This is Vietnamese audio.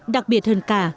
đặc biệt hơn cả